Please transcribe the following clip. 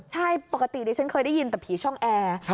ใช่ปกติดิฉันเคยได้ยินแต่ผีช่องแอร์